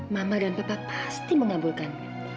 mama dan papa pasti mengabulkan